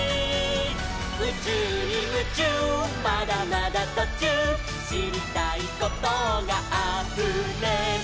「うちゅうにムチューまだまだとちゅう」「しりたいことがあふれる」